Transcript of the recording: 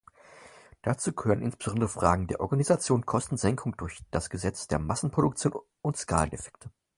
Dazu gehören insbesondere Fragen der Organisation, Kostensenkungen durch das Gesetz der Massenproduktion und Skaleneffekte.